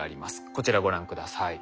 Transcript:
こちらご覧下さい。